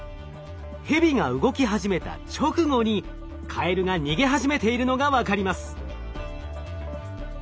ヘビが動き始めた直後にカエルが逃げ始めているのが分かります。